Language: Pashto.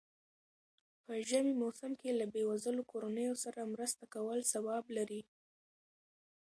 په ژمی موسم کی له بېوزلو کورنيو سره مرسته کول ثواب لري.